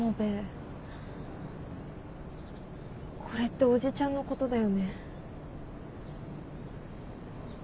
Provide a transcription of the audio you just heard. これっておじちゃんのことだよね。